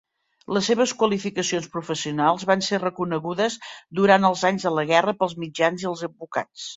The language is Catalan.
Les seves qualificacions professionals van ser reconegudes durant els anys de la guerra pels mitjans i els advocats.